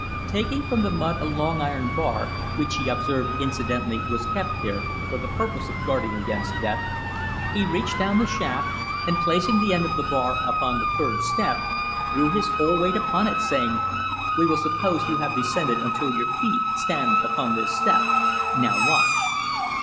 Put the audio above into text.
Taking from the mud a long iron bar, which he observed incidentally was kept there for the purpose of guarding against death, he reached down the shaft and placing the end of the bar upon the third step, threw his whole weight upon it, saying: "We will suppose you have descended until your feet stand upon this step. Now, watch."